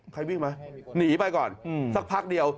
ใครวิ่งไหมหนีไปก่อนสักพักเดียว